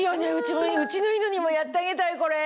うちの犬にもやってあげたいこれ。